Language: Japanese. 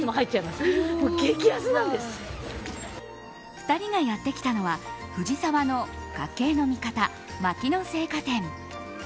２人がやってきたのは藤沢の家計の味方、牧野青果店。